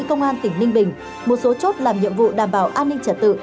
công an tỉnh ninh bình một số chốt làm nhiệm vụ đảm bảo an ninh trật tự